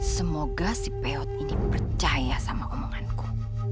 semoga si peot ingin percaya sama omonganku